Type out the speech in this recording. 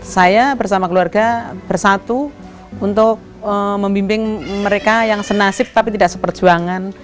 saya bersama keluarga bersatu untuk membimbing mereka yang senasib tapi tidak seperjuangan